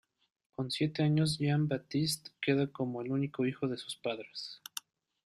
Con siete años Jean-Baptiste queda como el único hijo de sus padres.